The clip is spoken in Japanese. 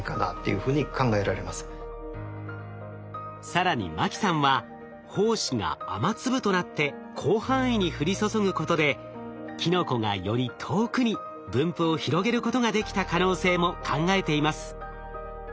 更に牧さんは胞子が雨粒となって広範囲に降り注ぐことでキノコがより遠くに分布を広げることができた可能性も考えています。